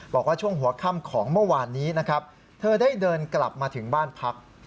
บอกว่าช่วงหัวค่ำของเมื่อวานนี้นะครับเธอได้เดินกลับมาถึงบ้านพัก